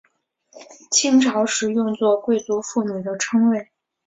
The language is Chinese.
清朝时用作贵族妇女的称谓。